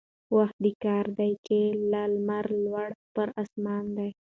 وخت د كار دى چي لا لمر لوړ پر آسمان دى